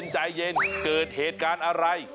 ใจเย็นเกิดเหตุการณ์อะไร